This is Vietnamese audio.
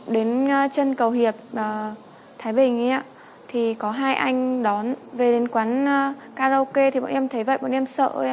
đến chân cầu hiệp thái bình thì có hai anh đón về đến quán karaoke thì bọn em thấy vậy bọn em sợ